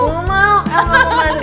enggak mau el gak mau mandi